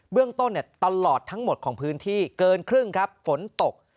เรื่องต้นตลอดทั้งหมดของพื้นที่เกินครึ่งครับฝนตก